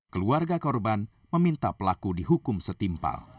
keluarga korban meminta pelaku dihukum setimpal